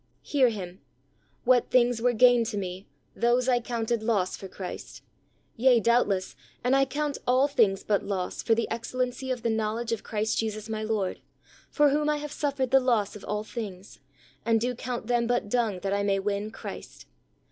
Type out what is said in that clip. Hear him: "What things were gain to me those I counted loss for Christ. Yea^ doubtless, and I count all things but loss for the excellency of the knowledge of Christ Jesus my Lord, for whom I have suffered the loss of all things, and do count them but dung that I may win Christ.